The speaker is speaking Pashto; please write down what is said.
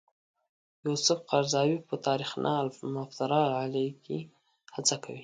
یوسف قرضاوي په تاریخنا المفتری علیه کې هڅه کوي.